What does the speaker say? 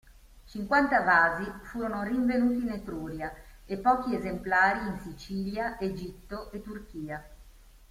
Cinquanta vasi furono rinvenuti in Etruria e pochi esemplari in Sicilia, Egitto e Turchia.